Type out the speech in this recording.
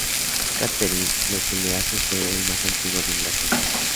Catherine, lo que le hace ser el más antiguo de Inglaterra.